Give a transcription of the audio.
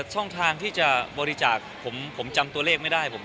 ช่องทางที่จะบริจาคผมจำตัวเลขไม่ได้